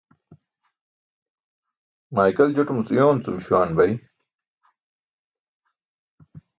Maykal jotumuc uyooncum śuwaan bay